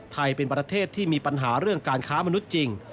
ไทยเป็นประเทศที่มีปัญหาเรื่องการค้ามนุษย์จริง